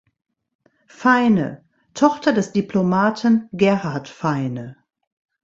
Feine, Tochter des Diplomaten Gerhart Feine.